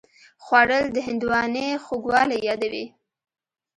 خوړل د هندوانې خوږوالی یادوي